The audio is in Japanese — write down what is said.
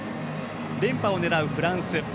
連覇を狙うフランス。